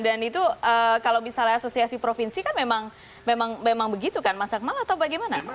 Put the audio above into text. dan itu kalau misalnya asosiasi provinsi kan memang begitu kan mas akmal atau bagaimana